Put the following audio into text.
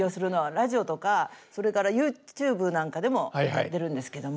ラジオとかそれからＹｏｕＴｕｂｅなんかでもやってるんですけども。